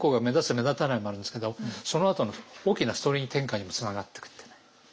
目立たないもあるんですけどそのあとの大きなストーリー展開にもつながっていくっていうね。